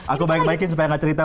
aku baik baikin supaya gak cerita